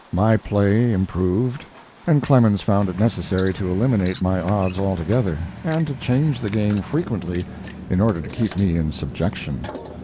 My play improved, and Clemens found it necessary to eliminate my odds altogether, and to change the game frequently in order to keep me in subjection.